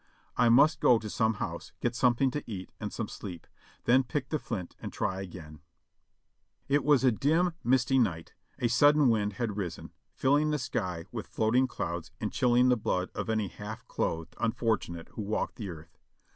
I must go to some house, get something to eat, and some sleep, then pick the flint and try again. "Homme propose, mats Dieu dispose." It was a dim, misty night ; a sudden wind had risen, filling the sky with floating clouds and chilling the blood of any half clothed unfortunate who walked the earth.